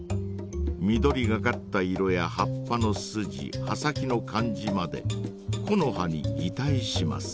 緑がかった色や葉っぱのスジ葉先の感じまで木の葉にぎたいします。